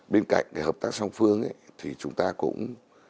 bên cạnh cái hợp tác song phương thì chúng ta cũng